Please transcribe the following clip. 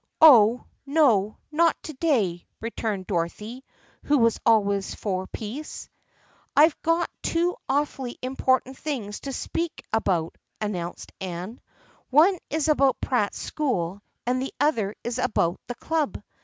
" Oh, no, not to day !" returned Dorothy, who was always for peace. " I've got two awfully important things to speak about," announced Anne. " One is about Pratt's school and the other is about the club.